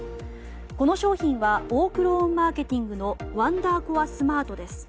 この商品はオークローンマーケティングのワンダーコアスマートです。